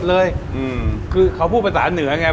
อู้คำเมือง